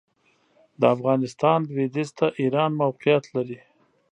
د افغانستان لوېدیځ ته ایران موقعیت لري.